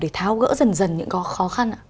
để tháo gỡ dần dần những khó khăn ạ